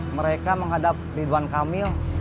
mereka menghadap ridwan kamil